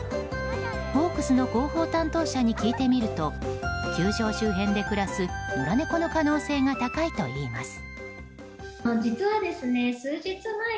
ホークスの広報担当者に聞いてみると球場周辺で暮らす野良猫の可能性が高いといいます。